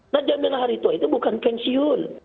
nah jaminan hari tua itu bukan pensiun